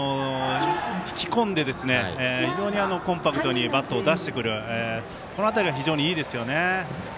引き込んで非常にコンパクトにバットを出してくるこの辺りは非常にいいですよね。